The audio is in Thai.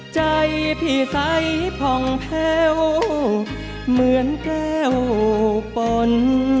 ใจพี่ใสผ่องแพ้วเหมือนแก้วปน